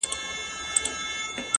اخلاص د نیک عمل ښکلا بشپړوي